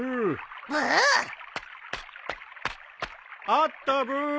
あったブー！